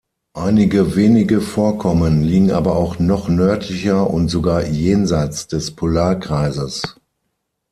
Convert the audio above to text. Einige wenige Vorkommen liegen aber auch noch nördlicher und sogar jenseits des Polarkreises.